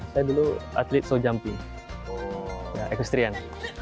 saya dulu atlet so jumping ekstrian